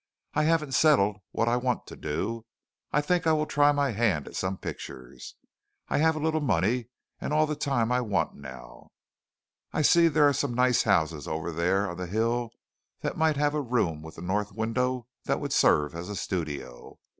I haven't settled what I want to do. I think I will try my hand at some pictures. I have a little money and all the time I want now. I see there are some nice houses over there on the hill that might have a room with a north window that would serve as a studio.